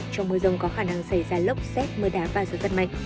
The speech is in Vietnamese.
trong mưa rông có khả năng xảy ra lốc xét mưa đá và gió giật mạnh